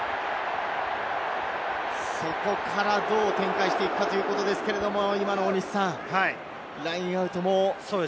そこからどう展開していくかというところですが、今のラインアウトも。